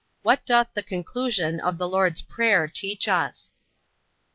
What doth the conclusion of the Lord's prayer teach us?